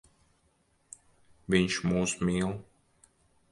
Viņš mūs mīl.